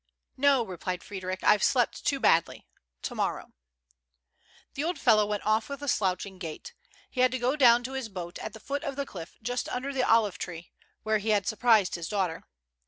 '' No," replied Frederic ;" I've slept too badly. To morrow." The old fellow went off with a slouching gait. He had to go down to his boat at the foot of the cliff, just under the olive tree, where he had surprised his daugh ter.